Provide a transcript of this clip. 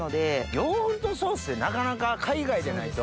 ヨーグルトソースってなかなか海外でないと。